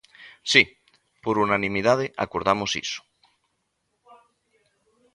Si, por unanimidade acordamos iso.